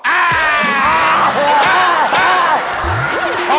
อ้าวโอ้โฮ